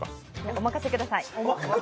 お任せください。